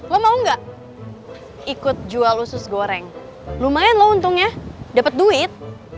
lo mau gak ikut jual usus goreng lumayan loh untungnya dapet duit